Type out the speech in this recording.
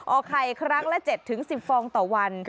ออกไข่ครั้งละ๗๑๐ฟองต่อวัน